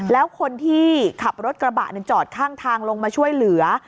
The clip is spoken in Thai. แล้วคนที่ขับรถกระบะจอดข้างทางลงมาช่วยเหลือ